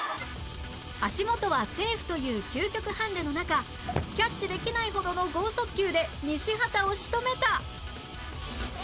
足元はセーフという究極ハンデの中キャッチできないほどの剛速球で西畑を仕留めた！